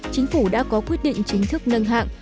chính phủ đã có quyết định chính thức nâng hạng